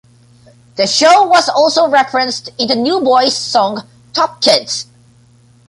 The show was also referenced in the New Boyz song Tough Kids.